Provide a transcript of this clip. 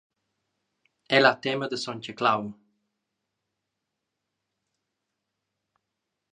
El ha tema da Sontgaclau.